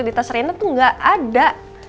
di tas rina tuh gak ada